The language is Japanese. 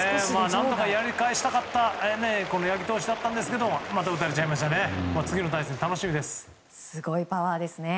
何とかやり返したかった八木投手だったんですけどまた打たれちゃいましたね。